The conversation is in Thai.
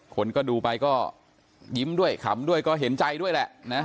คนก็ดูไปก็ยิ้มด้วยขำด้วยก็เห็นใจด้วยแหละนะ